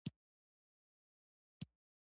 د مونټرایکس فلاجیل لرونکو باکتریاوو په نوم یادیږي.